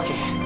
gak gitu sih